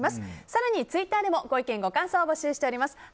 更にツイッターでもご意見、ご感想を募集しています。